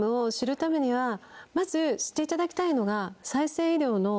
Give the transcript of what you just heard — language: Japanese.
知っていただきたいのが。